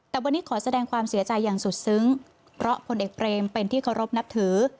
แต่วันนี้ขอแสดงความเสียใจอย่างสุดซึ้งเพราะผลเอกเปรมเป็นที่เคารพนับถือ